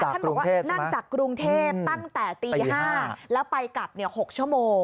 ท่านบอกว่านั่งจากกรุงเทพตั้งแต่ตี๕แล้วไปกลับ๖ชั่วโมง